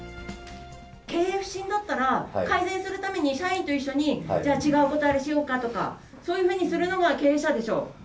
経営不振だったら、改善するために社員と一緒に、じゃあ、違うことしようかとか、そういうふうにするのが、経営者でしょう。